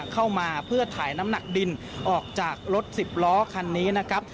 เข้ามาเพื่อถ่ายน้ำหนักดินออกจากรถสิบล้อคันนี้นะครับ